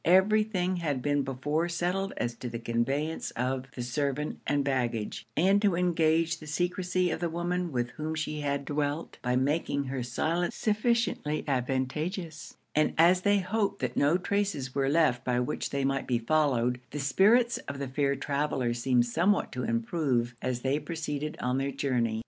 Every thing had been before settled as to the conveyance of the servant and baggage, and to engage the secresy of the woman with whom she had dwelt, by making her silence sufficiently advantageous; and as they hoped that no traces were left by which they might be followed, the spirits of the fair travellers seemed somewhat to improve as they proceeded on their journey.